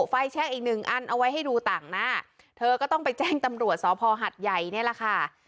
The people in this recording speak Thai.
แช่งอีกหนึ่งอันเอาไว้ให้ดูต่างหน้าเธอก็ต้องไปแจ้งตำรวจสพหัดใหญ่นี่แหละค่ะ